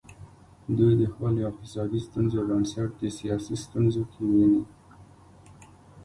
دوی د خپلو اقتصادي ستونزو بنسټ د سیاسي ستونزو کې ویني.